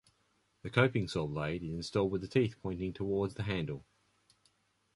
The coping saw blade is installed with the teeth pointing towards the handle.